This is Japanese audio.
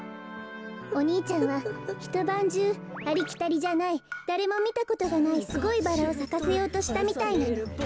お兄ちゃんはひとばんじゅうありきたりじゃないだれもみたことがないすごいバラをさかせようとしたみたいなの。